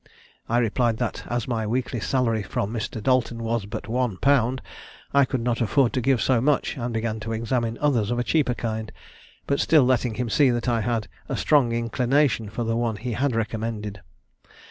I replied that, as my weekly salary from Mr. Dalton was but one pound, I could not afford to give so much, and began to examine others of a cheaper kind, but still letting him see that I had a strong inclination for the one he had recommended.